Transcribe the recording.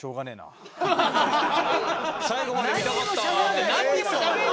最後まで見たかった。